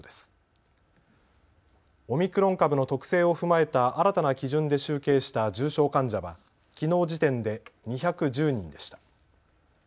オミクロン株の特性を踏まえた新たな基準で集計した重症患者はきのう時点で２１０人でした。